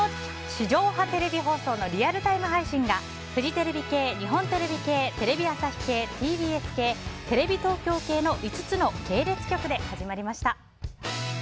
地上波テレビ放送のリアルタイム配信がフジテレビ系、日本テレビ系テレビ朝日系、ＴＢＳ系テレビ東京系の５つの系列局で始まりました。